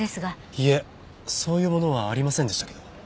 いえそういう物はありませんでしたけど。